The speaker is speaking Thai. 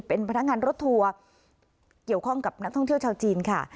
เป็นพนักงานรถทัวร์เกี่ยวข้องกับนักท่องเที่ยวชาวจีนค่ะ